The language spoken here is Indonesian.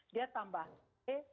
dia tambah b satu satu